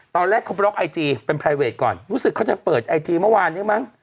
ตอนแรกเขาบล็อกไอจีเป็นไพรเวทก่อนรู้สึกเขาจะเปิดไอจีเมื่อวานนี้มั้ง